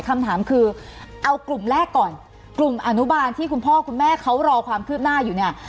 คำถามคือเอากลุ่มแรกก่อนกลุ่มอนุบาลที่คุณพ่อคุณแม่เขารอความคืบหน้าอยู่เนี่ย